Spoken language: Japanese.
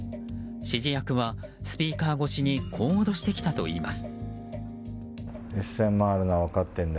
指示役はスピーカー越しにこう脅してきたといいます。